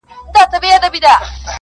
یوه ورځ گوربت زمري ته ویل وروره-